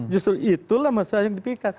justru itulah masalah yang dipikirkan